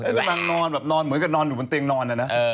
เหมือนกับนอนอยู่บนเตียงนอน